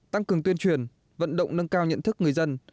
tăng cường tuyên truyền vận động nâng cao nhận thức người dân